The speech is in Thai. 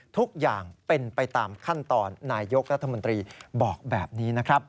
ทุกอย่างเป็นไปตามขั้นตอนนายยกรัฐมนตรีบอกแบบนี้นะครับ